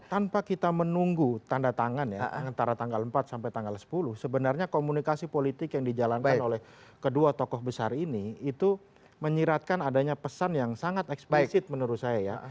tanpa kita menunggu tanda tangan ya antara tanggal empat sampai tanggal sepuluh sebenarnya komunikasi politik yang dijalankan oleh kedua tokoh besar ini itu menyiratkan adanya pesan yang sangat eksplisit menurut saya ya